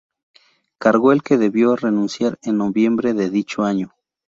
Cargo al que debió renunciar en noviembre de dicho año.